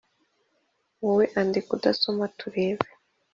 Wowe andika udasoma turebe